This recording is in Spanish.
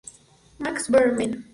Max Bergman.